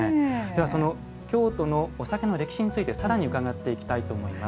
ではその京都のお酒の歴史について更に伺っていきたいと思います。